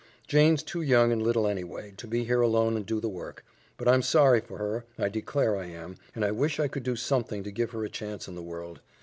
Jane's too young and little, anyway, to be here alone and do the work. But I'm sorry for her, I declare I am, and I wish I could do something to give her a chance in the world.